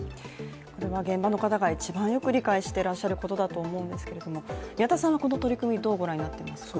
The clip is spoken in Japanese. これは現場の方が一番よく理解していらっしゃることだと思うんですけれども宮田さんはこの取り組み、どうご覧になっていますか？